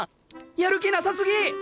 やる気なさすぎ！